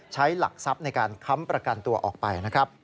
ใช้หลักทรัพย์ในการค้ำประกันตัวออกไป